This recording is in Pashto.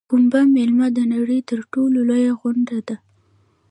کومبه میله د نړۍ تر ټولو لویه غونډه ده.